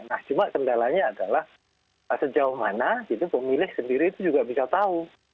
nah cuma kendalanya adalah sejauh mana pemilih sendiri itu juga bisa tahu